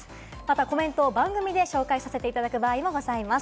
コメントを番組で紹介させていただく場合もございます。